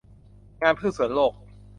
งานพืชสวนโลก